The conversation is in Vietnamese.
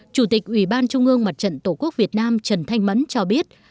chủ tịch ủy ban trung ương mặt trận tổ quốc việt nam trần thanh mẫn cho biết